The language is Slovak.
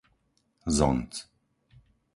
Zonc